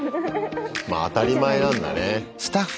まあ当たり前なんだね。